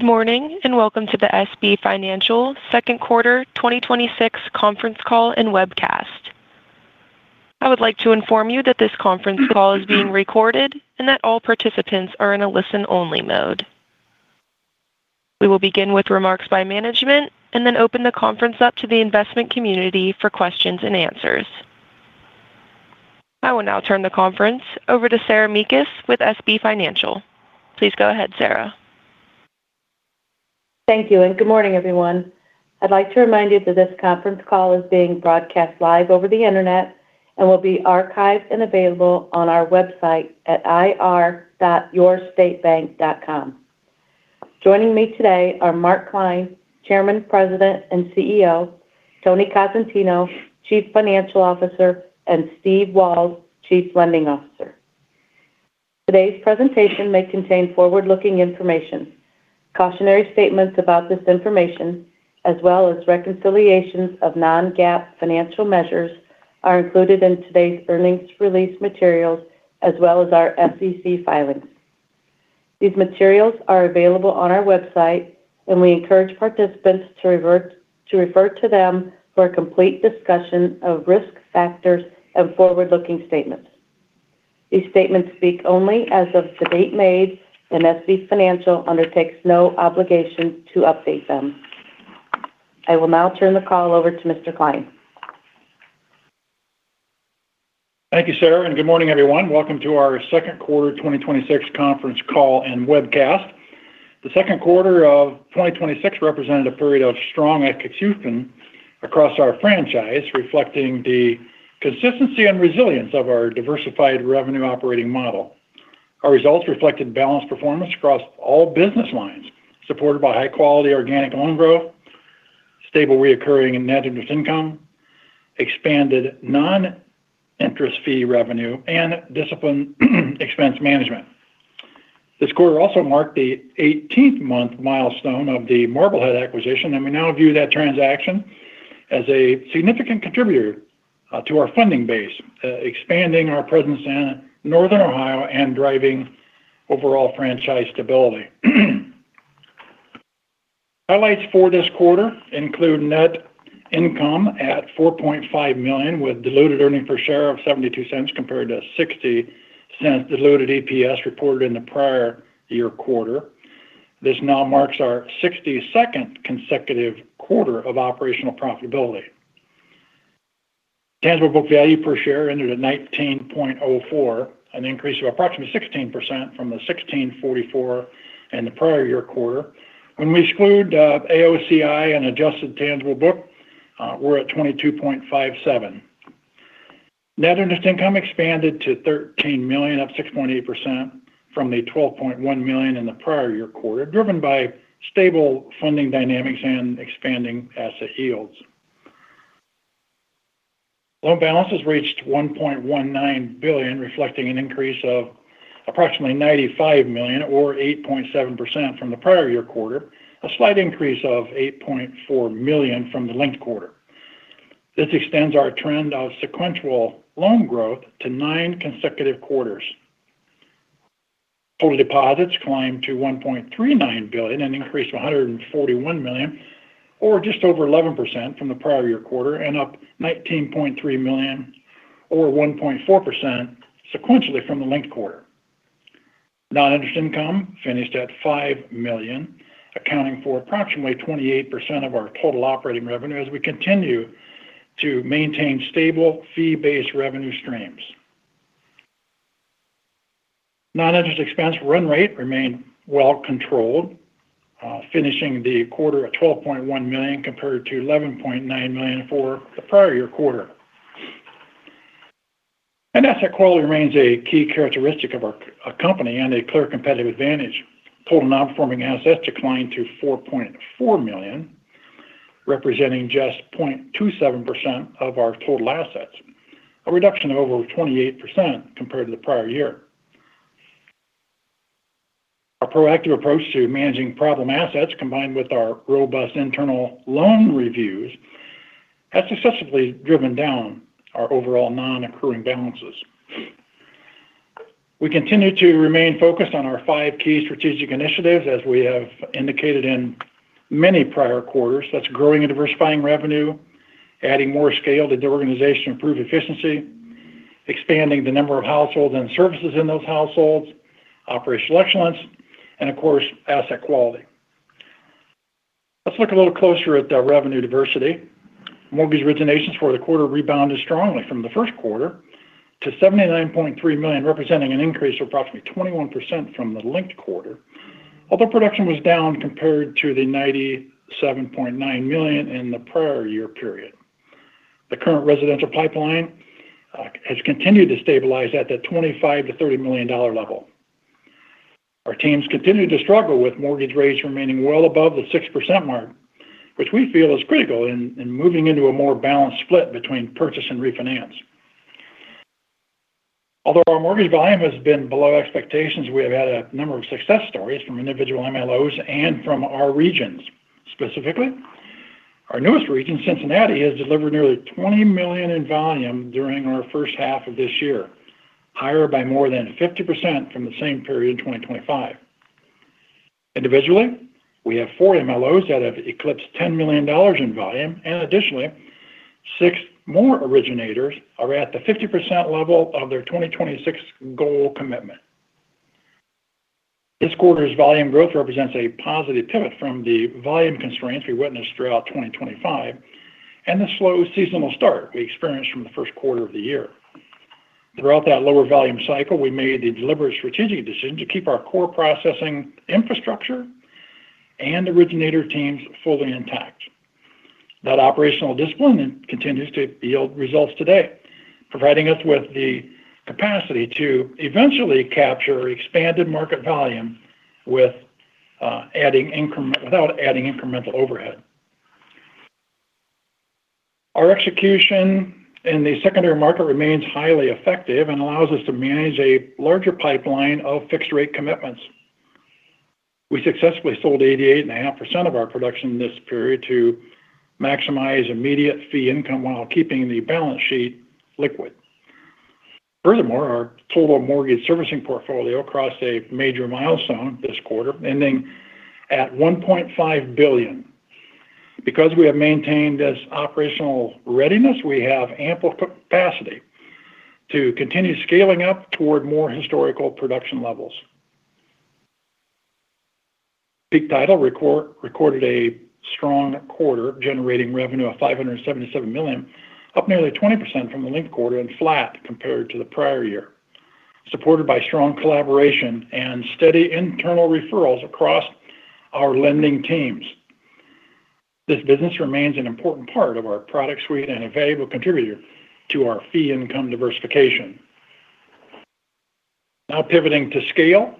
Good morning, welcome to the SB Financial second quarter 2026 conference call and webcast. I would like to inform you that this conference call is being recorded and that all participants are in a listen-only mode. We will begin with remarks by management and then open the conference up to the investment community for questions and answers. I will now turn the conference over to Sarah Mekus with SB Financial. Please go ahead, Sarah. Thank you, good morning, everyone. I'd like to remind you that this conference call is being broadcast live over the internet and will be archived and available on our website at ir.yourstatebank.com. Joining me today are Mark Klein, Chairman, President, and CEO; Tony Cosentino, Chief Financial Officer; and Steve Walz, Chief Lending Officer. Today's presentation may contain forward-looking information. Cautionary statements about this information, as well as reconciliations of Non-GAAP financial measures, are included in today's earnings release materials as well as our SEC filings. These materials are available on our website, and we encourage participants to refer to them for a complete discussion of risk factors and forward-looking statements. These statements speak only as of the date made, SB Financial undertakes no obligation to update them. I will now turn the call over to Mr. Klein. Thank you, Sarah, good morning, everyone. Welcome to our second quarter 2026 conference call and webcast. The second quarter of 2026 represented a period of strong execution across our franchise, reflecting the consistency and resilience of our diversified revenue operating model. Our results reflected balanced performance across all business lines, supported by high-quality organic loan growth, stable reoccurring net interest income, expanded non-interest fee revenue, and disciplined expense management. This quarter also marked the 18th month milestone of the Marblehead acquisition, and we now view that transaction as a significant contributor to our funding base, expanding our presence in northern Ohio and driving overall franchise stability. Highlights for this quarter include net income at $4.5 million with diluted earning per share of $0.72 compared to $0.60 diluted EPS reported in the prior year quarter. This now marks our 62nd consecutive quarter of operational profitability. Tangible book value per share ended at $19.04, an increase of approximately 16% from the $16.44 in the prior year quarter. When we exclude AOCI and adjusted tangible book, we're at $22.57. Net interest income expanded to $13 million, up 6.8% from the $12.1 million in the prior year quarter, driven by stable funding dynamics and expanding asset yields. Loan balances reached $1.19 billion, reflecting an increase of approximately $95 million or 8.7% from the prior year quarter, a slight increase of $8.4 million from the linked quarter. This extends our trend of sequential loan growth to nine consecutive quarters. Total deposits climbed to $1.39 billion, an increase of $141 million, or just over 11% from the prior year quarter, and up $19.3 million, or 1.4%, sequentially from the linked quarter. Non-interest income finished at $5 million, accounting for approximately 28% of our total operating revenue as we continue to maintain stable fee-based revenue streams. Non-interest expense run rate remained well controlled, finishing the quarter at $12.1 million compared to $11.9 million for the prior year quarter. Asset quality remains a key characteristic of our company and a clear competitive advantage. Total Non-Performing Assets declined to $4.4 million, representing just 0.27% of our total assets, a reduction of over 28% compared to the prior year. Our proactive approach to managing problem assets, combined with our robust internal loan reviews, has successfully driven down our overall non-accruing balances. We continue to remain focused on our five key strategic initiatives, as we have indicated in many prior quarters. That's growing and diversifying revenue, adding more scale to the organization to improve efficiency, expanding the number of households and services in those households, operational excellence, and of course, asset quality. Let's look a little closer at the revenue diversity. Mortgage originations for the quarter rebounded strongly from the first quarter to $79.3 million, representing an increase of approximately 21% from the linked quarter. Although production was down compared to the $97.9 million in the prior year period. The current residential pipeline has continued to stabilize at the $25 million-$30 million level. Our teams continue to struggle with mortgage rates remaining well above the 6% mark, which we feel is critical in moving into a more balanced split between purchase and refinance. Although our mortgage volume has been below expectations, we have had a number of success stories from individual MLOs and from our regions. Specifically, our newest region, Cincinnati, has delivered nearly $20 million in volume during our first half of this year, higher by more than 50% from the same period in 2025. Individually, we have four MLOs that have eclipsed $10 million in volume, and additionally, six more originators are at the 50% level of their 2026 goal commitment. This quarter's volume growth represents a positive pivot from the volume constraints we witnessed throughout 2025 and the slow seasonal start we experienced from the first quarter of the year. Throughout that lower volume cycle, we made the deliberate strategic decision to keep our core processing infrastructure and originator teams fully intact. That operational discipline continues to yield results today, providing us with the capacity to eventually capture expanded market volume without adding incremental overhead. Our execution in the secondary market remains highly effective and allows us to manage a larger pipeline of fixed-rate commitments. We successfully sold 88.5% of our production this period to maximize immediate fee income while keeping the balance sheet liquid. Our total mortgage servicing portfolio crossed a major milestone this quarter, ending at $1.5 billion. Because we have maintained this operational readiness, we have ample capacity to continue scaling up toward more historical production levels. Peak Title recorded a strong quarter, generating revenue of $577 thousand, up nearly 20% from the linked quarter and flat compared to the prior year, supported by strong collaboration and steady internal referrals across our lending teams. This business remains an important part of our product suite and a valuable contributor to our fee income diversification. Now pivoting to scale.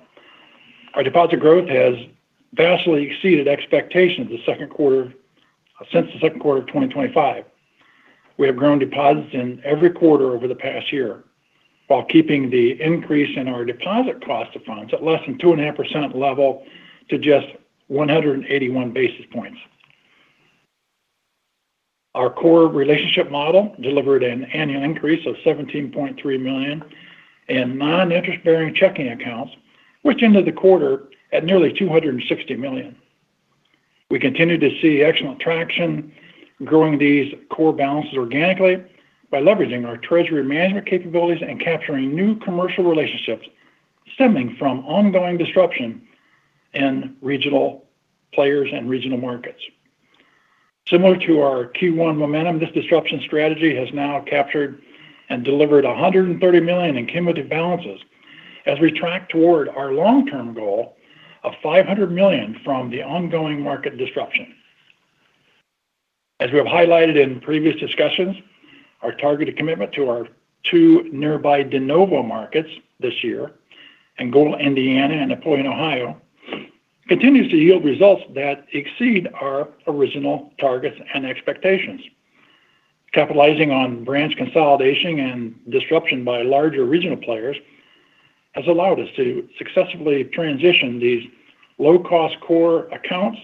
Our deposit growth has vastly exceeded expectations since the second quarter of 2025. We have grown deposits in every quarter over the past year while keeping the increase in our deposit cost of funds at less than 2.5% level to just 181 basis points. Our core relationship model delivered an annual increase of $17.3 million in non-interest-bearing checking accounts, which ended the quarter at nearly $260 million. We continue to see excellent traction growing these core balances organically by leveraging our treasury management capabilities and capturing new commercial relationships stemming from ongoing disruption in regional players and regional markets. Similar to our Q1 momentum, this disruption strategy has now captured and delivered $130 million in cumulative balances as we track toward our long-term goal of $500 million from the ongoing market disruption. As we have highlighted in previous discussions, our targeted commitment to our two nearby de novo markets this year, Angola, Indiana, and Napoleon, Ohio, continues to yield results that exceed our original targets and expectations. Capitalizing on branch consolidation and disruption by larger regional players has allowed us to successfully transition these low-cost core accounts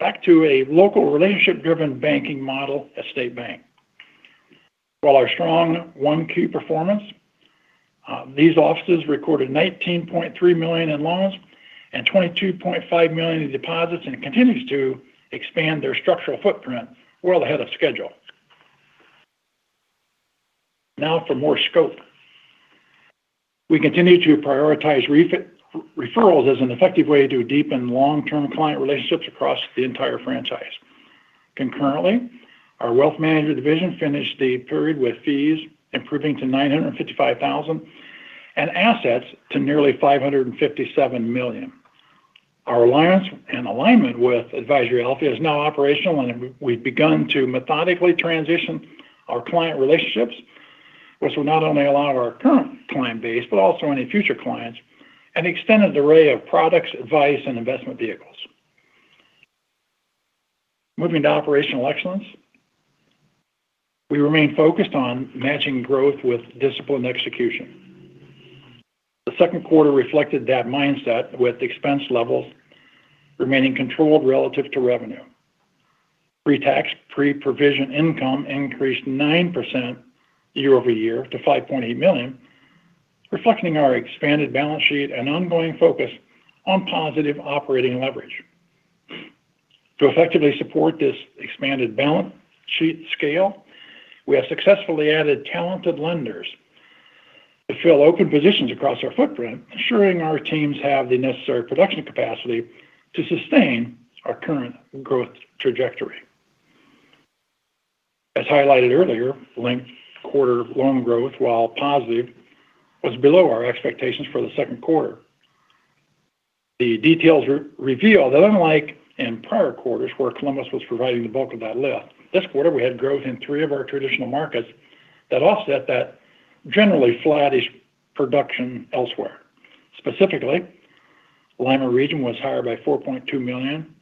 back to a local relationship-driven banking model at State Bank. While our strong 1Q performance, these offices recorded $19.3 million in loans and $22.5 million in deposits and continues to expand their structural footprint well ahead of schedule. Now for more scope. We continue to prioritize referrals as an effective way to deepen long-term client relationships across the entire franchise. Concurrently, our wealth management division finished the period with fees improving to $955,000 and assets to nearly $557 million. Our alliance and alignment with Advisory Health is now operational, and we've begun to methodically transition our client relationships, which will not only allow our current client base but also any future clients an extended array of products, advice, and investment vehicles. Moving to operational excellence. We remain focused on matching growth with disciplined execution. The second quarter reflected that mindset with expense levels remaining controlled relative to revenue. Pre-tax, pre-provision income increased 9% year-over-year to $5.8 million, reflecting our expanded balance sheet and ongoing focus on positive operating leverage. To effectively support this expanded balance sheet scale, we have successfully added talented lenders to fill open positions across our footprint, ensuring our teams have the necessary production capacity to sustain our current growth trajectory. As highlighted earlier, linked quarter loan growth, while positive, was below our expectations for the second quarter. The details reveal that unlike in prior quarters where Columbus was providing the bulk of that lift, this quarter we had growth in three of our traditional markets that offset that generally flattish production elsewhere. Specifically, Lima region was higher by $4.2 million,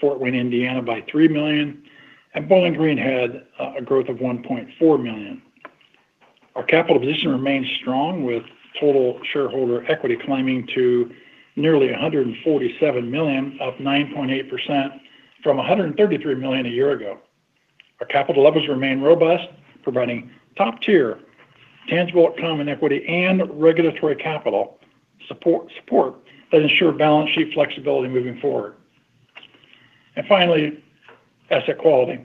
Fort Wayne, Indiana, by $3 million, and Bowling Green had a growth of $1.4 million. Our capital position remains strong with total shareholder equity claiming to nearly $147 million of 9.8% from $133 million a year ago. Our capital levels remain robust, providing top-tier tangible common equity and regulatory capital support that ensure balance sheet flexibility moving forward. Finally, asset quality.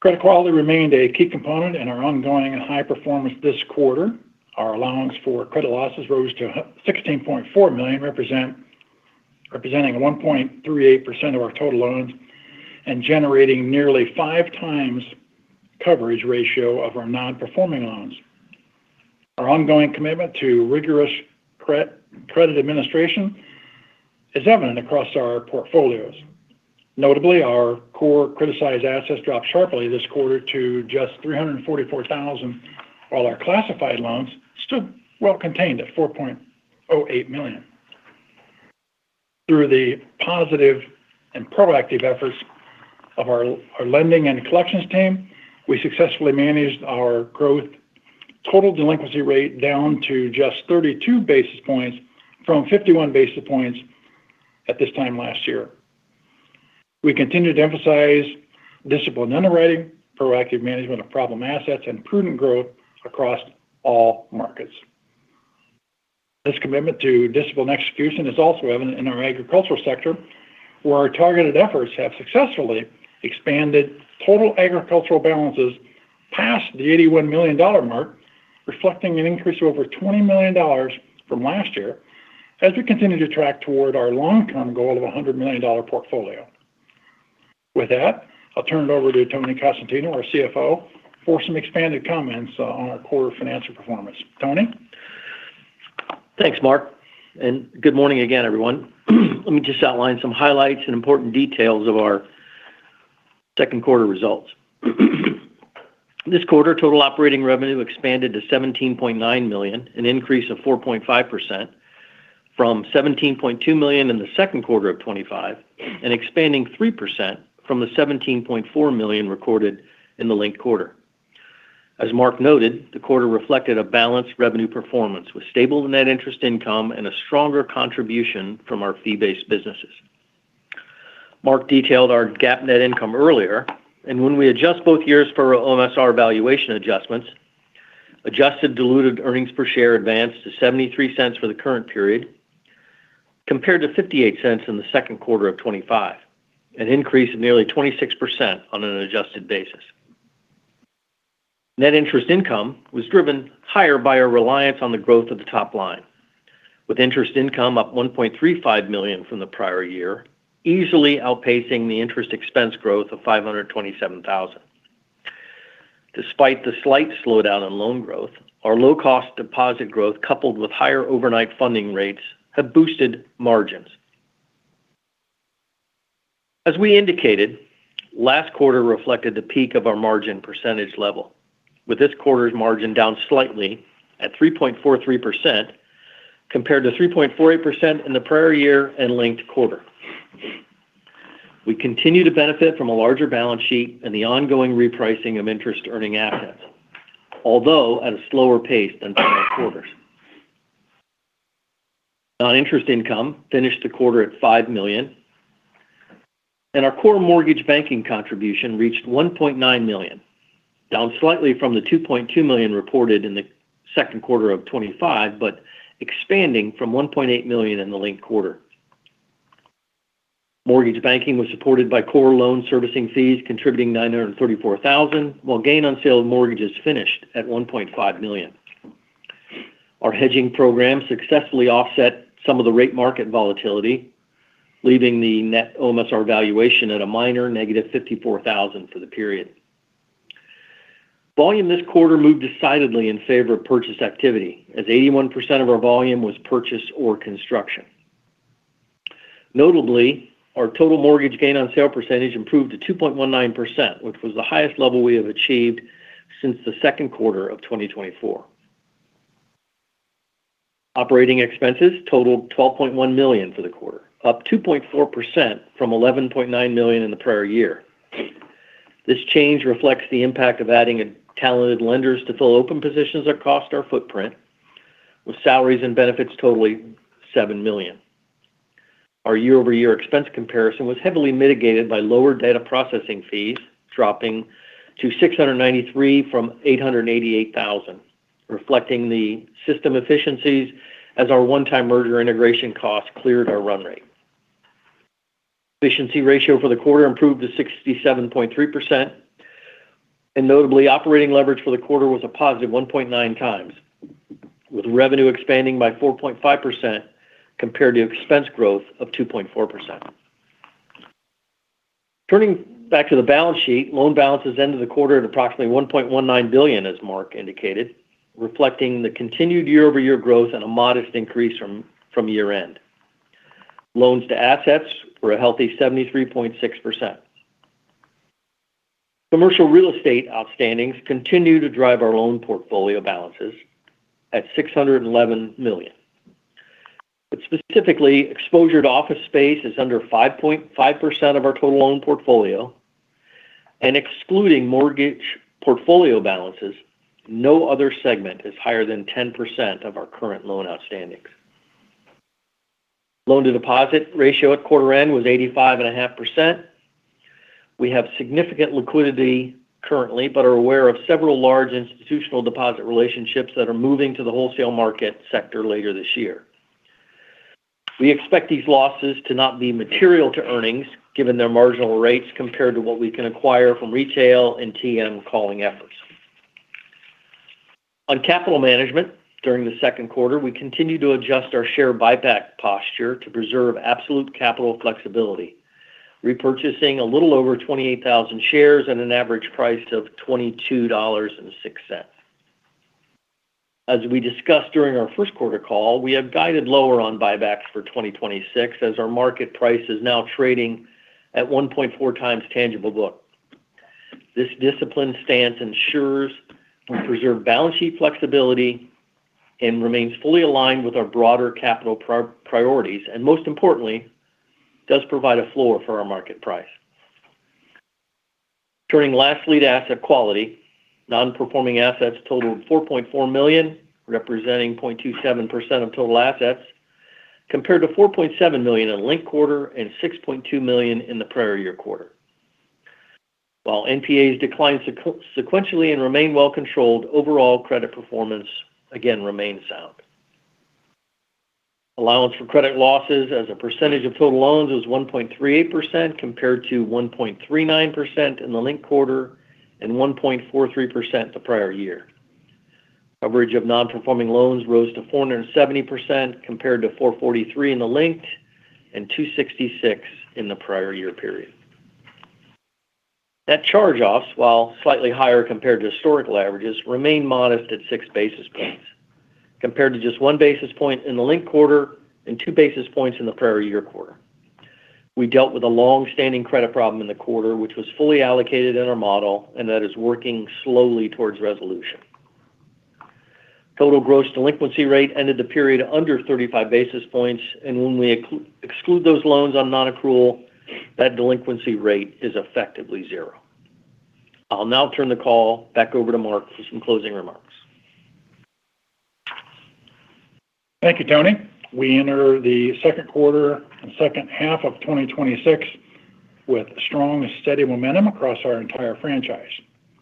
Credit quality remained a key component in our ongoing and high performance this quarter. Our allowance for credit losses rose to $16.4 million, representing 1.38% of our total loans and generating nearly five times coverage ratio of our non-performing loans. Our ongoing commitment to rigorous credit administration is evident across our portfolios. Notably, our core criticized assets dropped sharply this quarter to just $344,000, while our classified loans stood well contained at $4.08 million. Through the positive and proactive efforts of our lending and collections team, we successfully managed our growth total delinquency rate down to just 32 basis points from 51 basis points at this time last year. We continue to emphasize disciplined underwriting, proactive management of problem assets, and prudent growth across all markets. This commitment to disciplined execution is also evident in our agricultural sector, where our targeted efforts have successfully expanded total agricultural balances past the $81 million mark, reflecting an increase of over $20 million from last year, as we continue to track toward our long-term goal of a $100 million portfolio. With that, I'll turn it over to Tony Cosentino, our CFO, for some expanded comments on our core financial performance. Tony? Thanks, Mark. Good morning again, everyone. Let me just outline some highlights and important details of our second quarter results. This quarter, total operating revenue expanded to $17.9 million, an increase of 4.5% from $17.2 million in the second quarter of 2025 and expanding 3% from the $17.4 million recorded in the linked quarter. As Mark noted, the quarter reflected a balanced revenue performance with stable net interest income and a stronger contribution from our fee-based businesses. Mark detailed our GAAP net income earlier, and when we adjust both years for OMSR valuation adjustments, adjusted diluted earnings per share advanced to $0.73 for the current period, compared to $0.58 in the second quarter of 2025. An increase of nearly 26% on an adjusted basis. Net interest income was driven higher by our reliance on the growth of the top line, with interest income up $1.35 million from the prior year, easily outpacing the interest expense growth of $527,000. Despite the slight slowdown in loan growth, our low-cost deposit growth, coupled with higher overnight funding rates, have boosted margins. As we indicated, last quarter reflected the peak of our margin percentage level, with this quarter's margin down slightly at 3.43% compared to 3.48% in the prior year and linked quarter. We continue to benefit from a larger balance sheet and the ongoing repricing of interest-earning assets, although at a slower pace than prior quarters. Non-interest income finished the quarter at $5 million, and our core mortgage banking contribution reached $1.9 million, down slightly from the $2.2 million reported in the second quarter of 2025, but expanding from $1.8 million in the linked quarter. Mortgage banking was supported by core loan servicing fees contributing $934,000, while gain on sale of mortgages finished at $1.5 million. Our hedging program successfully offset some of the rate market volatility, leaving the net OMSR valuation at a minor negative $54,000 for the period. Volume this quarter moved decidedly in favor of purchase activity, as 81% of our volume was purchase or construction. Notably, our total mortgage gain on sale percentage improved to 2.19%, which was the highest level we have achieved since the second quarter of 2024. Operating expenses totaled $12.1 million for the quarter, up 2.4% from $11.9 million in the prior year. This change reflects the impact of adding talented lenders to fill open positions across our footprint, with salaries and benefits totaling $7 million. Our year-over-year expense comparison was heavily mitigated by lower data processing fees, dropping to $693,000 from $888,000, reflecting the system efficiencies as our one-time merger integration cost cleared our run rate. Efficiency ratio for the quarter improved to 67.3%. Notably, operating leverage for the quarter was a positive 1.9x, with revenue expanding by 4.5% compared to expense growth of 2.4%. Turning back to the balance sheet, loan balances ended the quarter at approximately $1.19 billion, as Mark indicated, reflecting the continued year-over-year growth and a modest increase from year end. Loans to assets were a healthy 73.6%. Commercial real estate outstandings continue to drive our loan portfolio balances at $611 million. Specifically, exposure to office space is under 5.5% of our total loan portfolio. Excluding mortgage portfolio balances, no other segment is higher than 10% of our current loan outstanding. Loan-to-deposit ratio at quarter end was 85.5%. We have significant liquidity currently but are aware of several large institutional deposit relationships that are moving to the wholesale market sector later this year. We expect these losses to not be material to earnings, given their marginal rates compared to what we can acquire from retail and TM calling efforts. On capital management, during the second quarter, we continued to adjust our share buyback posture to preserve absolute capital flexibility, repurchasing a little over 28,000 shares at an average price of $22.06. As we discussed during our first quarter call, we have guided lower on buybacks for 2026 as our market price is now trading at 1.4x tangible book. This disciplined stance ensures we preserve balance sheet flexibility and remains fully aligned with our broader capital priorities, and most importantly, does provide a floor for our market price. Turning lastly to asset quality, non-performing assets totaled $4.4 million, representing 0.27% of total assets, compared to $4.7 million in linked quarter and $6.2 million in the prior year quarter. While NPAs declined sequentially and remain well controlled, overall credit performance again remains sound. Allowance for credit losses as a percentage of total loans was 1.38%, compared to 1.39% in the linked quarter and 1.43% the prior year. Coverage of non-performing loans rose to 470%, compared to 443% in the linked and 266% in the prior year period. Net charge-offs, while slightly higher compared to historical averages, remain modest at six basis points, compared to just one basis point in the linked quarter and two basis points in the prior year quarter. We dealt with a long-standing credit problem in the quarter, which was fully allocated in our model. That is working slowly towards resolution. Total gross delinquency rate ended the period under 35 basis points, when we exclude those loans on non-accrual, that delinquency rate is effectively zero. I'll now turn the call back over to Mark for some closing remarks. Thank you, Tony. We enter the second quarter and second half of 2026 with strong, steady momentum across our entire franchise.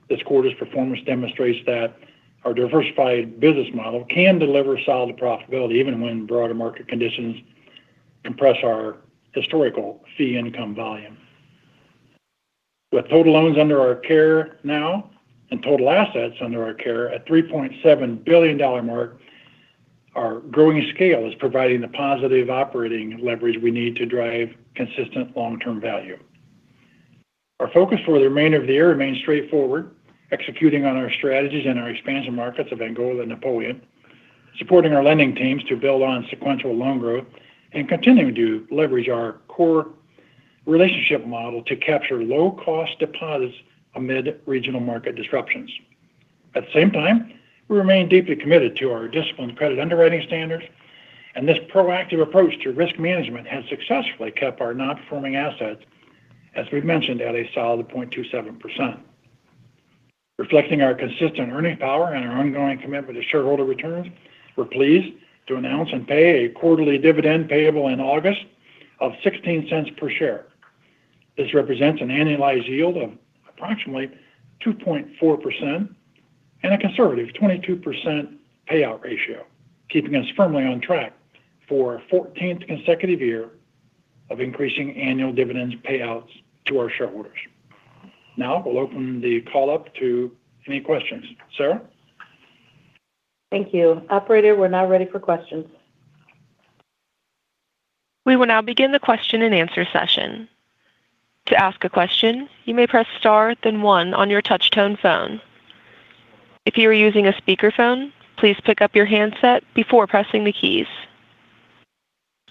This quarter's performance demonstrates that our diversified business model can deliver solid profitability, even when broader market conditions compress our historical fee income volume. With total loans under our care now and total assets under our care at $3.7 billion mark, our growing scale is providing the positive operating leverage we need to drive consistent long-term value. Our focus for the remainder of the year remains straightforward, executing on our strategies in our expansion markets of Angola and Napoleon, supporting our lending teams to build on sequential loan growth, continuing to leverage our core relationship model to capture low-cost deposits amid regional market disruptions. At the same time, we remain deeply committed to our disciplined credit underwriting standards, this proactive approach to risk management has successfully kept our non-performing assets, as we've mentioned, at a solid 0.27%. Reflecting our consistent earning power and our ongoing commitment to shareholder returns, we're pleased to announce and pay a quarterly dividend payable in August of $0.16 per share. This represents an annualized yield of approximately 2.4% and a conservative 22% payout ratio, keeping us firmly on track for a 14th consecutive year of increasing annual dividends payouts to our shareholders. Now, we'll open the call up to any questions. Sarah? Thank you. Operator, we're now ready for questions. We will now begin the question and answer session. To ask a question, you may press star then one on your touch tone phone. If you are using a speakerphone, please pick up your handset before pressing the keys.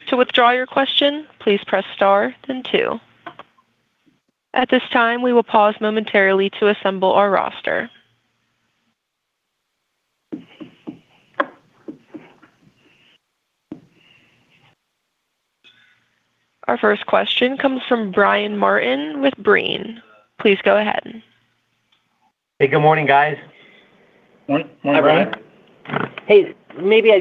To withdraw your question, please press star then two. At this time, we will pause momentarily to assemble our roster. Our first question comes from Brian Martin with Janney Montgomery Scott. Please go ahead. Hey, good morning, guys. Morning, Brian. Morning. Hey, maybe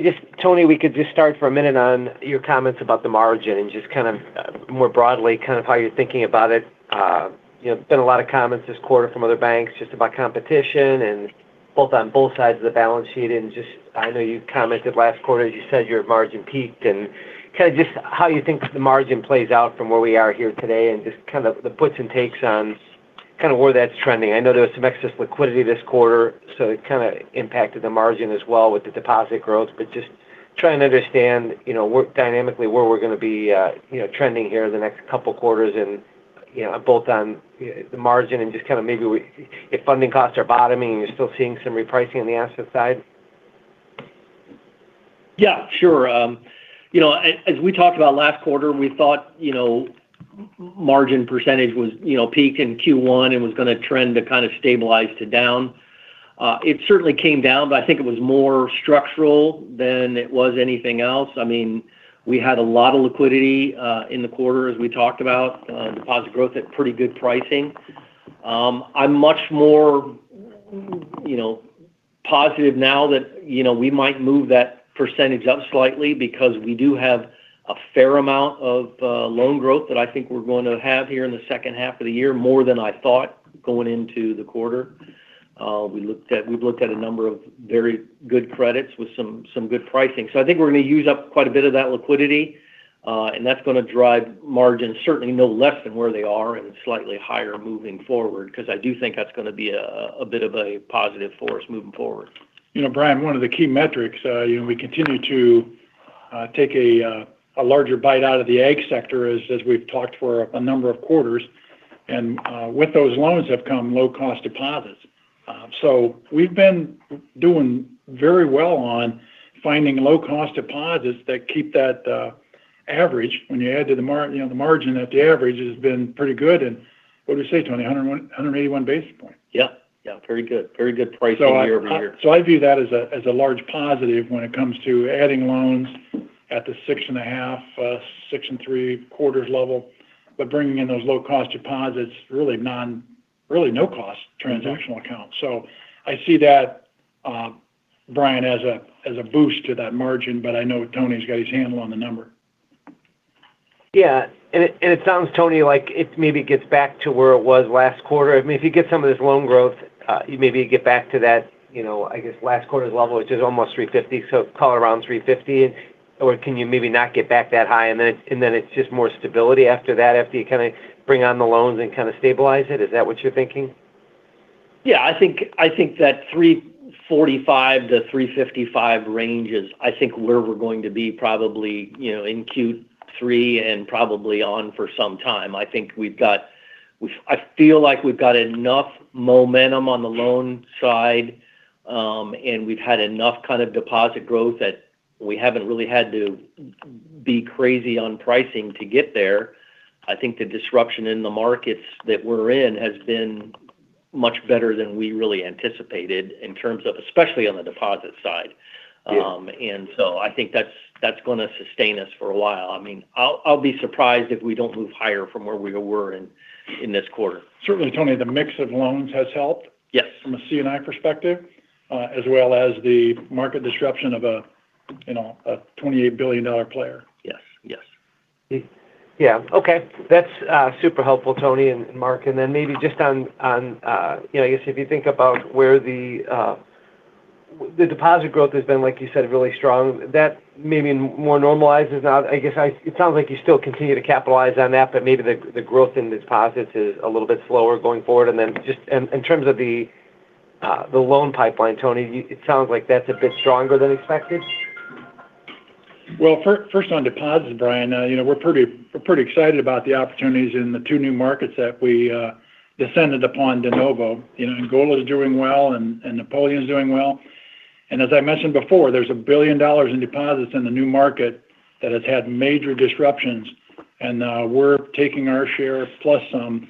Tony, we could just start for a minute on your comments about the margin and just more broadly, how you're thinking about it. Been a lot of comments this quarter from other banks just about competition and both on both sides of the balance sheet and just, I know you commented last quarter, as you said, your margin peaked and just how you think the margin plays out from where we are here today and just the puts and takes on where that's trending. I know there was some excess liquidity this quarter, so it kind of impacted the margin as well with the deposit growth, but just trying to understand dynamically where we're going to be trending here the next couple quarters and both on the margin and just maybe if funding costs are bottoming and you're still seeing some repricing on the asset side? Yeah, sure. As we talked about last quarter, we thought margin percentage peaked in Q1 and was going to trend to stabilize to down. It certainly came down, but I think it was more structural than it was anything else. We had a lot of liquidity in the quarter, as we talked about. Deposit growth at pretty good pricing. I'm much more positive now that we might move that percentage up slightly because we do have a fair amount of loan growth that I think we're going to have here in the second half of the year, more than I thought going into the quarter. We've looked at a number of very good credits with some good pricing. I think we're going to use up quite a bit of that liquidity, and that's going to drive margins certainly no less than where they are and slightly higher moving forward. I do think that's going to be a bit of a positive force moving forward. Brian, one of the key metrics, we continue to take a larger bite out of the ag sector, as we've talked for a number of quarters. With those loans have come low-cost deposits. We've been doing very well on finding low-cost deposits that keep that average. When you add to the margin, that average has been pretty good in, what did we say, Tony? 181 basis points. Yeah. Very good pricing year-over-year. I view that as a large positive when it comes to adding loans at the six and a half, six and three-quarters level, but bringing in those low-cost deposits, really no-cost transactional accounts. I see that, Brian, as a boost to that margin, but I know Tony's got his handle on the number. It sounds, Tony, like it maybe gets back to where it was last quarter. If you get some of this loan growth, maybe you get back to that, I guess, last quarter's level, which is almost 350, call it around 350. Can you maybe not get back that high, and then it's just more stability after that, after you kind of bring on the loans and kind of stabilize it? Is that what you're thinking? I think that 345-355 range is, I think, where we're going to be probably in Q3 and probably on for some time. I feel like we've got enough momentum on the loan side, and we've had enough kind of deposit growth that we haven't really had to be crazy on pricing to get there. I think the disruption in the markets that we're in has been much better than we really anticipated, in terms of especially on the deposit side. Yeah. I think that's going to sustain us for a while. I'll be surprised if we don't move higher from where we were in this quarter. Certainly, Tony, the mix of loans has helped. Yes From a C&I perspective, as well as the market disruption of a $28 billion player. Yes. Yeah. Okay. That's super helpful, Tony and Mark. Maybe just on, I guess, if you think about where the deposit growth has been, like you said, really strong. That maybe more normalized is now. It sounds like you still continue to capitalize on that, but maybe the growth in deposits is a little bit slower going forward. Just in terms of the loan pipeline, Tony, it sounds like that's a bit stronger than expected? Well, first on deposits, Brian, we're pretty excited about the opportunities in the two new markets that we descended upon de novo. Angola's doing well, and Napoleon's doing well. As I mentioned before, there's $1 billion in deposits in the new market that has had major disruptions, and we're taking our share plus some.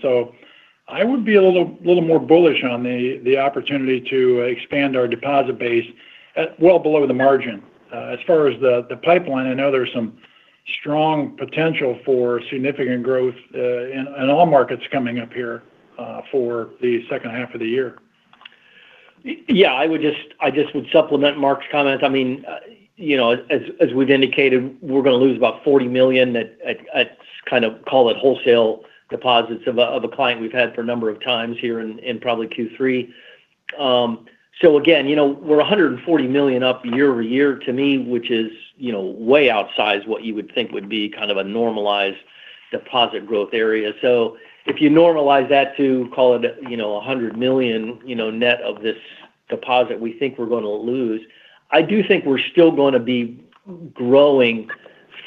I would be a little more bullish on the opportunity to expand our deposit base at well below the margin. As far as the pipeline, I know there's some strong potential for significant growth in all markets coming up here for the second half of the year. I just would supplement Mark's comment. As we've indicated, we're going to lose about $40 million, kind of call it wholesale deposits of a client we've had for a number of times here in probably Q3. Again, we're $140 million up year-over-year to me, which is way outside what you would think would be kind of a normalized deposit growth area. If you normalize that to, call it $100 million net of this deposit we think we're going to lose, I do think we're still going to be growing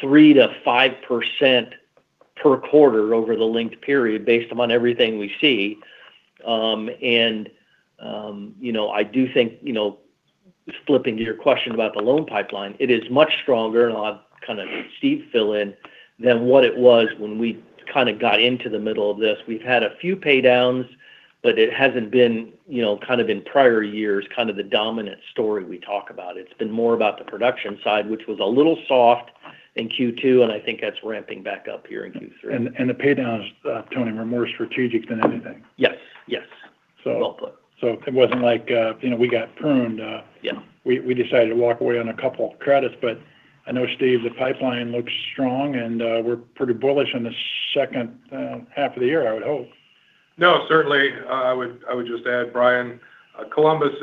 3%-5% per quarter over the linked period based upon everything we see. I do think, flipping to your question about the loan pipeline, it is much stronger, and I'll have Steve fill in, than what it was when we kind of got into the middle of this. We've had a few pay-downs, but it hasn't been kind of in prior years, kind of the dominant story we talk about. It's been more about the production side, which was a little soft in Q2, and I think that's ramping back up here in Q3. The pay-downs, Tony, were more strategic than anything. Yes. Well put. It wasn't like we got pruned. Yeah. We decided to walk away on a couple of credits. I know, Steve, the pipeline looks strong, and we're pretty bullish on the second half of the year, I would hope. Certainly. I would just add, Brian, Columbus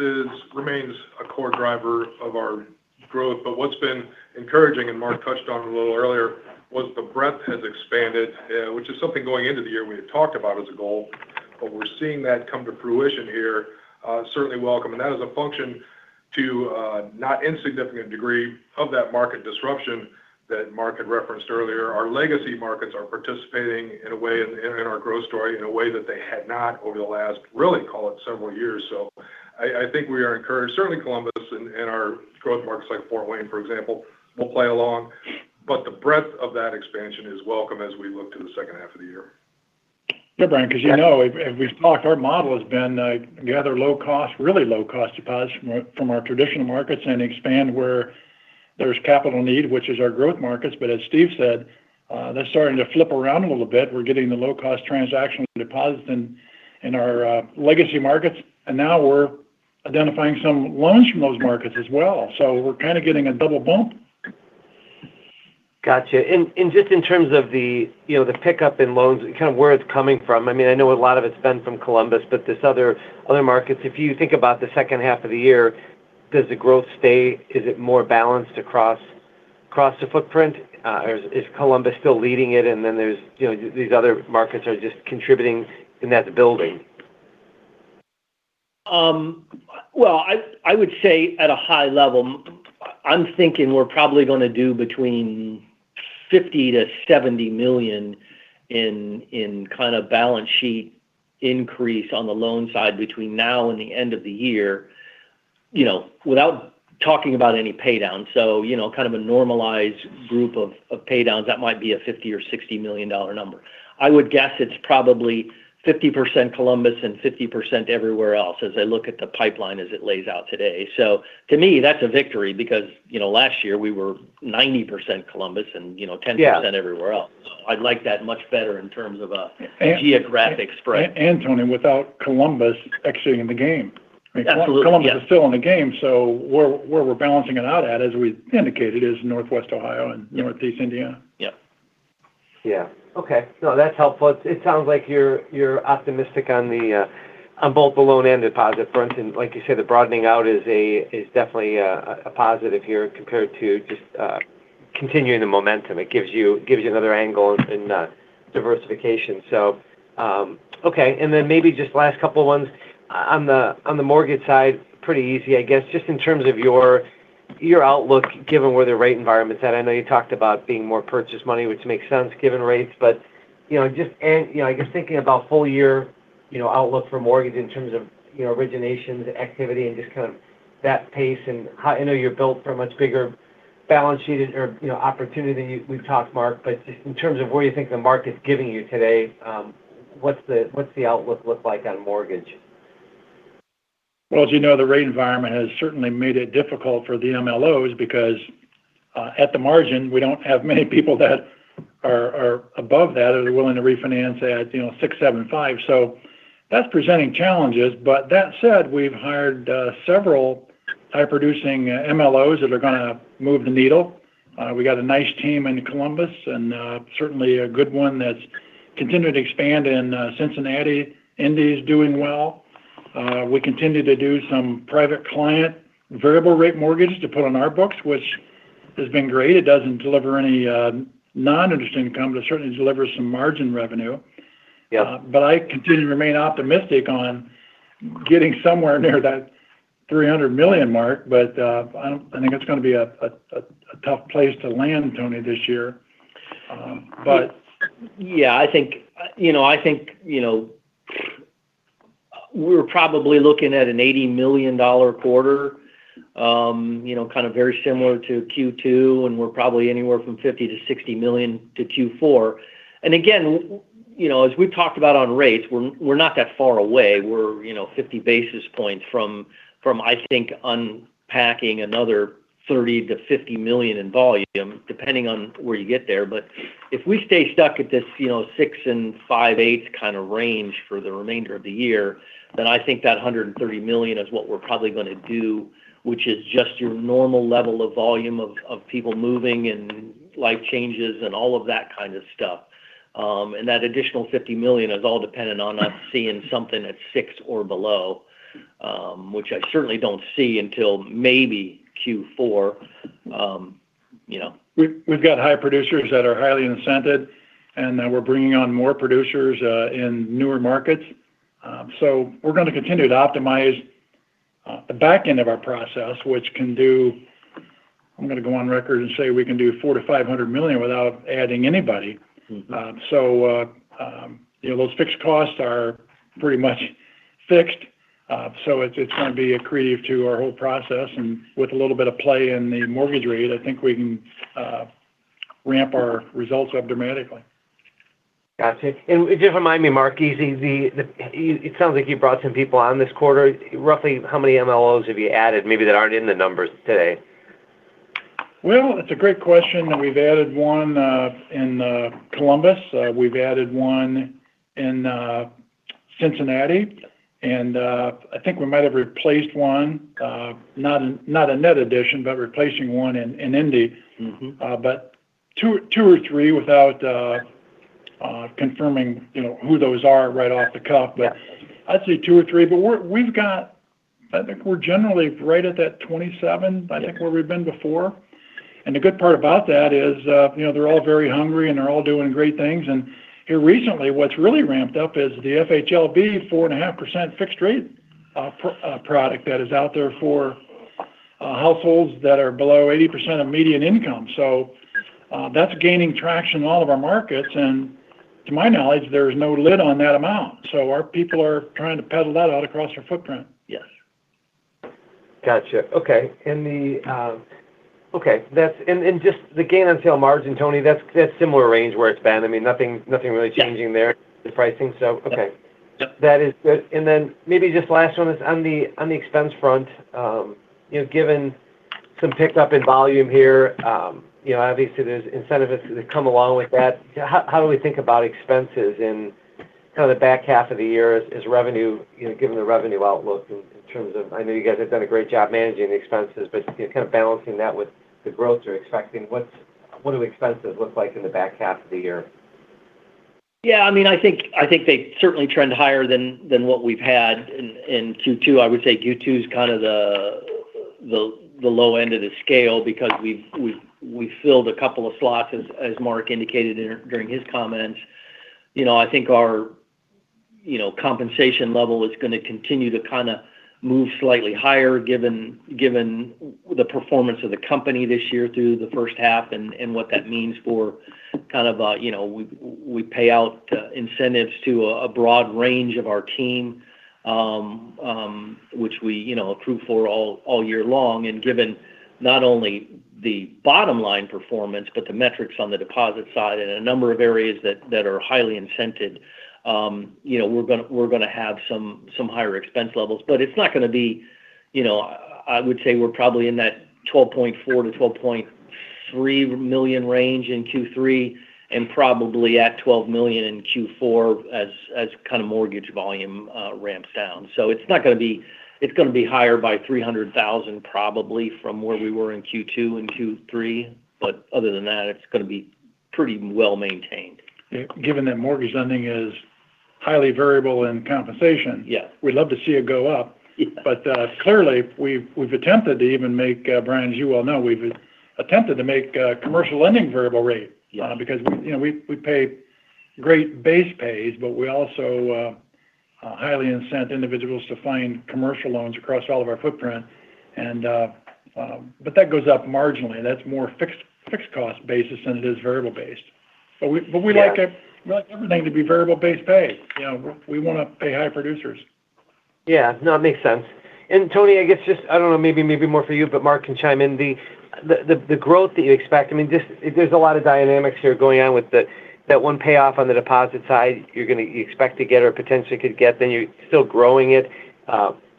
remains a core driver of our growth. What's been encouraging, and Mark touched on it a little earlier, was the breadth has expanded, which is something going into the year we had talked about as a goal. We're seeing that come to fruition here. Certainly welcome, and that is a function to a not insignificant degree of that market disruption that Mark had referenced earlier. Our legacy markets are participating in our growth story in a way that they had not over the last, really, call it several years. I think we are encouraged. Certainly Columbus and our growth markets like Fort Wayne, for example, will play along. The breadth of that expansion is welcome as we look to the second half of the year. Brian, you know, if we've talked, our model has been gather low cost, really low cost deposits from our traditional markets and expand where there's capital need, which is our growth markets. As Steve said, that's starting to flip around a little bit. We're getting the low-cost transactional deposits in our legacy markets. Now we're identifying some loans from those markets as well. We're kind of getting a double bump. Got you. Just in terms of the pickup in loans, kind of where it's coming from. I know a lot of it's been from Columbus, but these other markets. If you think about the second half of the year, does the growth stay? Is it more balanced across the footprint? Is Columbus still leading it, these other markets are just contributing to that building? Well, I would say at a high level, I'm thinking we're probably going to do between $50 million to $70 million in kind of balance sheet increase on the loan side between now and the end of the year without talking about any pay-down. Kind of a normalized group of pay-downs, that might be a $50 million or $60 million number. I would guess it's probably 50% Columbus and 50% everywhere else as I look at the pipeline as it lays out today. To me, that's a victory because last year we were 90% Columbus and- Yeah ,10% everywhere else. I like that much better in terms of a geographic spread. Tony, without Columbus exiting the game. Absolutely. Columbus is still in the game. Where we're balancing it out at, as we indicated, is Northwest Ohio and Northeast Indiana. Yep. Yeah. Okay. No, that's helpful. It sounds like you're optimistic on both the loan and deposit front. Like you said, the broadening out is definitely a positive here compared to just continuing the momentum. It gives you another angle in diversification. Okay. Then maybe just last couple ones. On the mortgage side, pretty easy, I guess, just in terms of your outlook given where the rate environment's at. I know you talked about being more purchase money, which makes sense given rates. Just I guess thinking about full year outlook for mortgage in terms of originations, activity, and just kind of that pace and how you know your built for a much bigger balance sheet or opportunity we've talked, Mark. In terms of where you think the market's giving you today, what's the outlook look like on mortgage? Well, as you know, the rate environment has certainly made it difficult for the MLOs because, at the margin, we don't have many people that are above that or they're willing to refinance at 6.75%. That's presenting challenges. That said, we've hired several high-producing MLOs that are going to move the needle. We got a nice team in Columbus, and certainly a good one that's continued to expand in Cincinnati. Indy is doing well. We continue to do some private client variable rate mortgage to put on our books, which has been great. It doesn't deliver any non-interest income, but it certainly delivers some margin revenue. Yeah. I continue to remain optimistic on getting somewhere near that $300 million mark. I think it's going to be a tough place to land, Tony, this year. I think we're probably looking at an $80 million quarter, kind of very similar to Q2, we're probably anywhere from $50 million-$60 million to Q4. Again, as we've talked about on rates, we're not that far away. We're 50 basis points from, I think, unpacking another $30 million-$50 million in volume, depending on where you get there. If we stay stuck at this six and five eight kind of range for the remainder of the year, then I think that $130 million is what we're probably going to do, which is just your normal level of volume of people moving and life changes and all of that kind of stuff. That additional $50 million is all dependent on us seeing something at six or below, which I certainly don't see until maybe Q4. We've got high producers that are highly incented, and we're bringing on more producers in newer markets. We're going to continue to optimize the back end of our process, which can do. I'm going to go on record and say we can do $400 million-$500 million without adding anybody. Those fixed costs are pretty much fixed. It's going to be accretive to our whole process, and with a little bit of play in the mortgage rate, I think we can ramp our results up dramatically. Got you. Just remind me, Mark, it sounds like you brought some people on this quarter. Roughly how many MLOs have you added maybe that aren't in the numbers today? Well, it's a great question. We've added one in Columbus. We've added one in Cincinnati. I think we might have replaced one. Not a net addition, but replacing one in Indy. Two or three without confirming who those are right off the cuff. Yeah. I'd say two or three. I think we're generally right at that 27, I think where we've been before. The good part about that is they're all very hungry and they're all doing great things. Here recently, what's really ramped up is the FHLB 4.5% fixed rate product that is out there. Households that are below 80% of median income. That's gaining traction in all of our markets, and to my knowledge, there's no lid on that amount. Our people are trying to pedal that out across our footprint. Yes. Just the gain on sale margin, Tony, that's similar range where it's been. Nothing really changing there. Yeah the pricing, okay. Yep. Maybe just last one is on the expense front. Given some pickup in volume here, obviously there's incentives that come along with that. How do we think about expenses in kind of the back half of the year? Given the revenue outlook in terms of, I know you guys have done a great job managing the expenses, but kind of balancing that with the growth you're expecting. What do expenses look like in the back half of the year? Yeah, I think they certainly trend higher than what we've had in Q2. I would say Q2's kind of the low end of the scale because we filled a couple of slots, as Mark indicated during his comments. I think our compensation level is going to continue to kind of move slightly higher given the performance of the company this year through the first half and what that means for. We pay out incentives to a broad range of our team which we approve for all year long. Given not only the bottom line performance, but the metrics on the deposit side and a number of areas that are highly incented. We're going to have some higher expense levels. I would say we're probably in that $12.4 million-$12.3 million range in Q3, and probably at $12 million in Q4 as kind of mortgage volume ramps down. It's going to be higher by $300,000 probably from where we were in Q2 and Q3. Other than that, it's going to be pretty well-maintained. Given that mortgage lending is highly variable in compensation. Yeah we'd love to see it go up. Yeah. Clearly we've attempted to even make, Brian, as you well know, we've attempted to make commercial lending variable rate. Yeah. We pay great base pays, but we also highly incent individuals to find commercial loans across all of our footprint. That goes up marginally. That's more fixed cost basis than it is variable-based. Yeah. We like everything to be variable-based pay. We want to pay high producers. Yeah. No, it makes sense. Tony, I guess just, I don't know, maybe more for you, but Mark can chime in. The growth that you expect, there's a lot of dynamics here going on with that one payoff on the deposit side, you expect to get or potentially could get, then you're still growing it.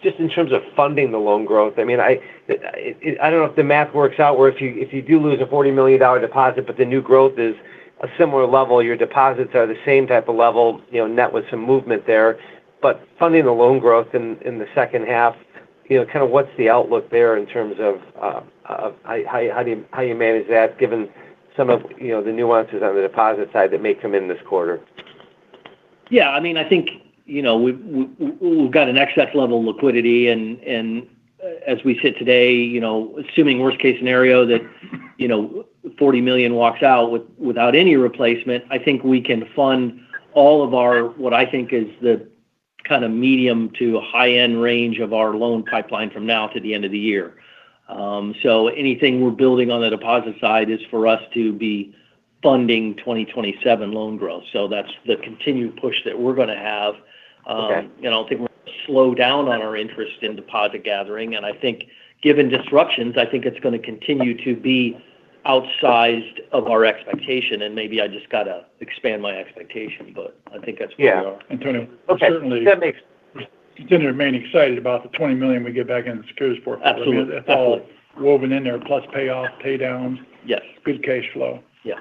Just in terms of funding the loan growth, I don't know if the math works out where if you do lose a $40 million deposit, but the new growth is a similar level, your deposits are the same type of level, net with some movement there. Funding the loan growth in the second half, kind of what's the outlook there in terms of how you manage that given some of the nuances on the deposit side that may come in this quarter? Yeah, I think we've got an excess level in liquidity and as we sit today, assuming worst case scenario that $40 million walks out without any replacement, I think we can fund all of our, what I think is the kind of medium to high-end range of our loan pipeline from now to the end of the year. Anything we're building on the deposit side is for us to be funding 2027 loan growth. That's the continued push that we're going to have. Okay. I don't think we're going to slow down on our interest in deposit gathering. I think given disruptions, I think it's going to continue to be outsized of our expectation, and maybe I just got to expand my expectation. I think that's where we are. Yeah. Tony- Okay. That makes- We certainly continue to remain excited about the $20 million we get back in securities portfolio. Absolutely. That's all woven in there, plus payoff, pay downs. Yes. Good cash flow. Yeah.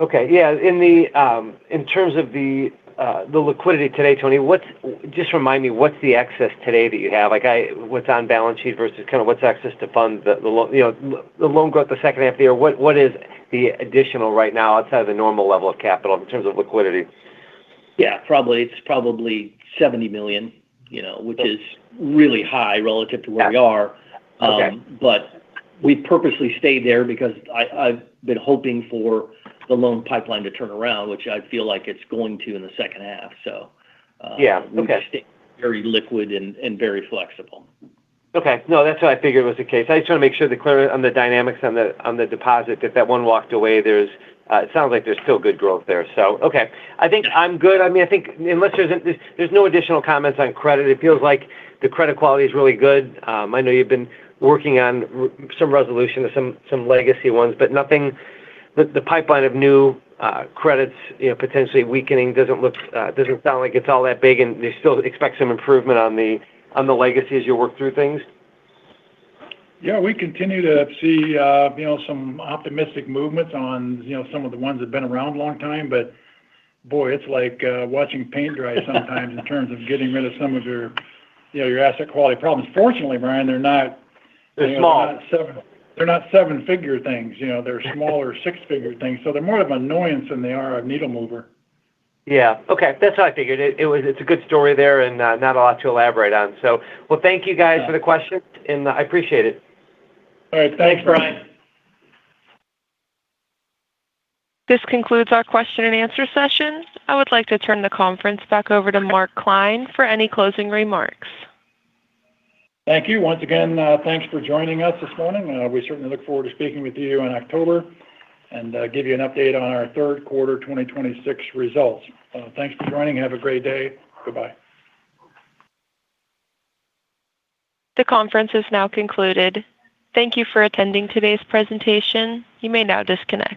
Okay. Yeah. In terms of the liquidity today, Tony, just remind me, what's the excess today that you have? Like what's on balance sheet versus kind of what's excess to fund the loan growth the second half of the year? What is the additional right now outside of the normal level of capital in terms of liquidity? Yeah. It's probably $70 million. Okay. Which is really high relative to where we are. Okay. We've purposely stayed there because I've been hoping for the loan pipeline to turn around, which I feel like it's going to in the second half, so. Yeah. Okay. We've stayed very liquid and very flexible. Okay. No, that's what I figured was the case. I just want to make sure the clarity on the dynamics on the deposit, if that one walked away, it sounds like there's still good growth there. Okay. I think I'm good. There's no additional comments on credit. It feels like the credit quality is really good. I know you've been working on some resolution with some legacy ones, but the pipeline of new credits potentially weakening doesn't sound like it's all that big, and you still expect some improvement on the legacy as you work through things? Yeah, we continue to see some optimistic movements on some of the ones that have been around a long time. Boy, it's like watching paint dry sometimes in terms of getting rid of some of your asset quality problems. Fortunately, Brian, they're not- They're small They're not seven-figure things. They're smaller six-figure things. They're more of an annoyance than they are a needle mover. Yeah. Okay. That's what I figured. It's a good story there and not a lot to elaborate on. Well, thank you guys for the questions, and I appreciate it. All right. Thanks, Brian. This concludes our question and answer session. I would like to turn the conference back over to Mark Klein for any closing remarks. Thank you once again. Thanks for joining us this morning. We certainly look forward to speaking with you in October and give you an update on our third quarter 2026 results. Thanks for joining. Have a great day. Goodbye. The conference is now concluded. Thank you for attending today's presentation. You may now disconnect.